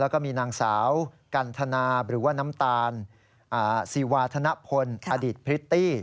แล้วก็มีนางสาวกันทนาหรือว่าน้ำตาลซีวาธนพลอดีตพริตตี้